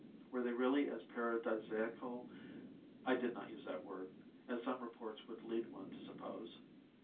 Were they really as paradisaical (I did not use that word) as some reports would lead one to suppose?